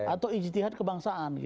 atau ijtihan kebangsaan